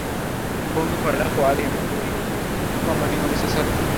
Commanding officer, sir.